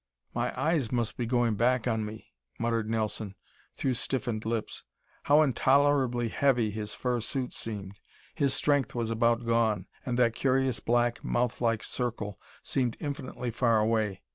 "My eyes must be going back on me," muttered Nelson through stiffened lips. How intolerably heavy his fur suit seemed! His strength was about gone and that curious black mouthlike circle seemed infinitely far away.